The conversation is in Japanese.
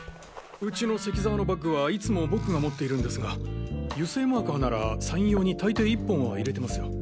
ウチの関澤のバッグはいつも僕が持っているんですが油性マーカーならサイン用に大抵１本は入れてますよ。